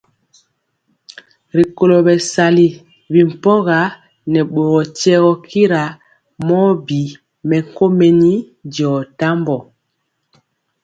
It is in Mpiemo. Rikolo bɛsali bi mpɔga nɛ boro tyiegɔ kira mɔ bi mɛkomeni diɔ tambɔ.